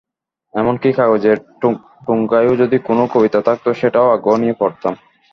এমনকি কাগজের ঠোঙায়ও যদি কোনো কবিতা থাকত, সেটাও আগ্রহ নিয়ে পড়তাম।